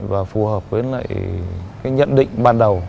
và phù hợp với nhận định ban đầu